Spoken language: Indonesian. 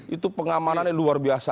itu pengamanannya luar biasa